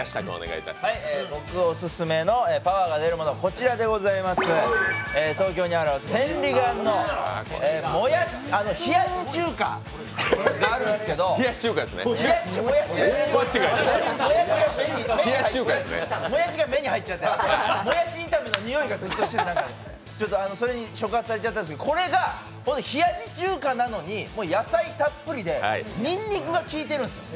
僕オススメのパワーが出るものは東京にある千里眼のもやし冷やし中華があるんですけど、もやしが目に入っちゃってもやし炒めのにおいがずっとしてそれに触発されちゃったんですけど、これが冷やし中華なのに野菜たっぷりで、にんにくがきいてるんです。